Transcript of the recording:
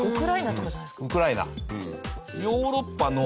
ウクライナ。